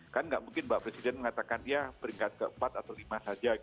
kan nggak mungkin pak presiden mengatakan ya peringkat ke empat atau ke lima saja